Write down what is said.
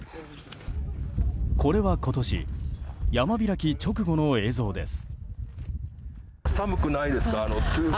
これは今年山開き直後の映像です。